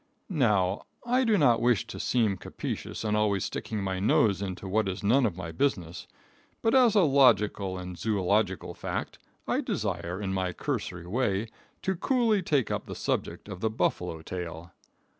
Now, I do not wish to seem captious and always sticking my nose into what is none of my business, but as a logical and zoological fact, I desire, in my cursory way, to coolly take up the subject of the buffalo tail.